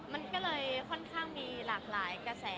มันก็เลยค่อนข้างมีหลากหลายกระแส